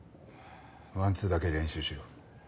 ワンツーだけ練習しろ。